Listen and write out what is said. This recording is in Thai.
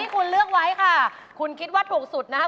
คุณเลือกไว้ค่ะคุณคิดว่าถูกสุดนะคะ